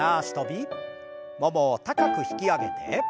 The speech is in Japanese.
ももを高く引き上げて。